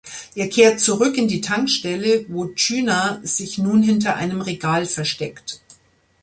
Er kehrt zurück in die Tankstelle, wo Chyna sich nun hinter einem Regal versteckt.